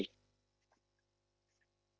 คำถามที่คาใจประชาชนและคาใจฝ่ายค้าง